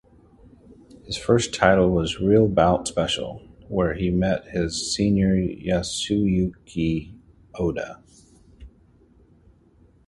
His first title was "Real Bout Special" where he met his senior Yasuyuki Oda.